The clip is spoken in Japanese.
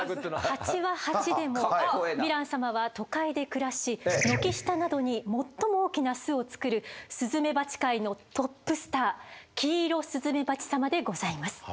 蜂は蜂でもヴィラン様は都会で暮らし軒下などに最も大きな巣を作るスズメバチ界のトップスターキイロスズメバチ様でございます。